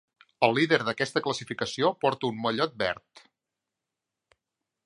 El líder d'aquesta classificació porta un mallot verd.